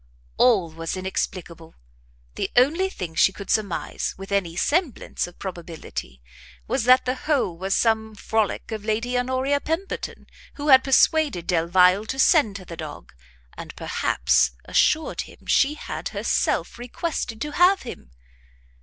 All was inexplicable! the only thing she could surmise, with any semblance of probability, was that the whole was some frolic of Lady Honoria Pemberton, who had persuaded Delvile to send her the dog, and perhaps assured him she had herself requested to have him.